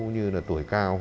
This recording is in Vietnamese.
như hôm trước ấy